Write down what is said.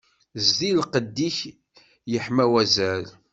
Zdi lqedd-ik yeḥma wazal.